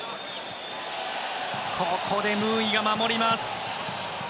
ここでムーイが守ります。